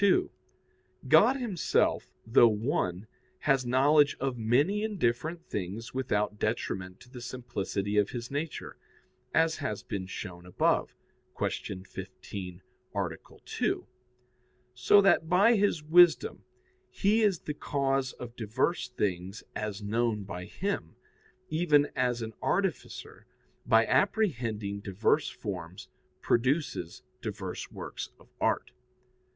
2: God Himself, though one, has knowledge of many and different things without detriment to the simplicity of His nature, as has been shown above (Q. 15, A. 2); so that by His wisdom He is the cause of diverse things as known by Him, even as an artificer, by apprehending diverse forms, produces diverse works of art.